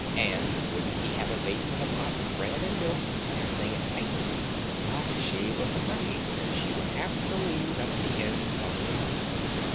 And wouldn't he have a basin of hot bread and milk last thing at night? But she was afraid that she would have to leave at the end of the month.